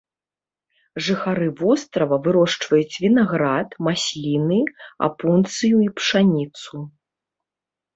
Жыхары вострава вырошчваюць вінаград, масліны, апунцыю і пшаніцу.